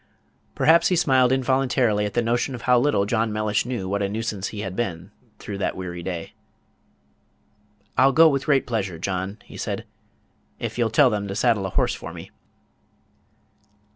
Perhaps he smiled involuntarily at the notion of how little John Mellish knew what a nuisance he had been through that weary day. "I'll go with very great pleasure, John," he said, "if you'll tell them to saddle a horse for me."